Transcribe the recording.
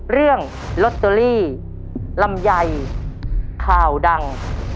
เรื่องลอตเตอรี่ลำไยข่าวดัง